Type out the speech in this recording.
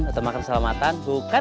jamretnya aja yang keterlaluan